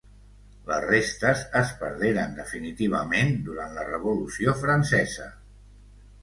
Les restes es perderen definitivament durant la Revolució francesa.